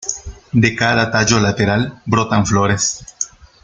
De cada tallo lateral brotan flores.